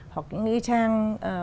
hoặc những cái trang